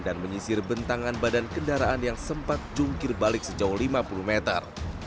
dan menyisir bentangan badan kendaraan yang sempat jungkir balik sejauh lima puluh meter